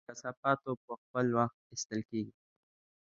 د کثافاتو په خپل وخت ایستل کیږي؟